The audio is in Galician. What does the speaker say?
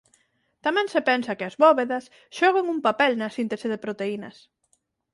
Tamén se pensa que as bóvedas xogan un papel na síntese de proteínas.